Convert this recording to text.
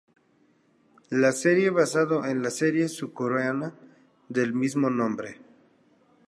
La serie basado en la serie surcoreana del mismo nombre.